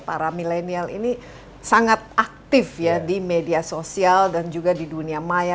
para milenial ini sangat aktif ya di media sosial dan juga di dunia maya